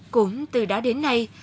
cũng từ đó đến nay